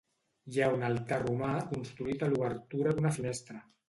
Hi ha un altar romà construït a l'obertura d'una finestra.